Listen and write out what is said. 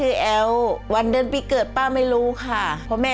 ร้องได้ให้ร้าง